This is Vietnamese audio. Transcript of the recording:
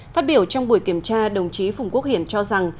phát biểu trong buổi kiểm tra đồng chí phùng quốc hiển cho rằng